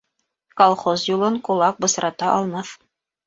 Колхоз юлын кулак бысрата алмаҫ.